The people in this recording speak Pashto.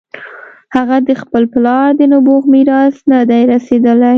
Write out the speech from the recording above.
هغه د خپل پلار د نبوغ میراث نه دی رسېدلی.